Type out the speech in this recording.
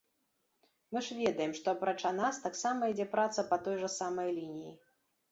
Мы ж ведаем, што, апрача нас, таксама ідзе праца па той жа самай лініі.